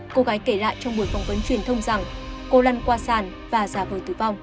cô gái kể lại trong buổi phỏng vấn truyền thông rằng cô lăn qua sản và giả vời tử vong